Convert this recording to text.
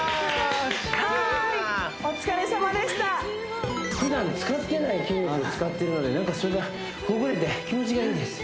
はーいお疲れさまでしたふだん使ってない筋肉を使っているので何かそれがほぐれて気持ちがいいです